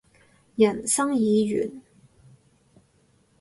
人生已完